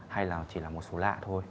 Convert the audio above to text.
hay là chỉ là một số lạ